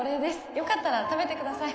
よかったら食べてください